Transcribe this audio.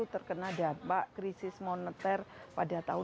terkena dampak krisis moneter pada tahun dua ribu